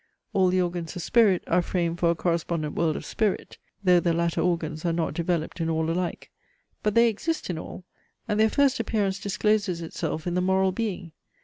All the organs of spirit are framed for a correspondent world of spirit: though the latter organs are not developed in all alike. But they exist in all, and their first appearance discloses itself in the moral being.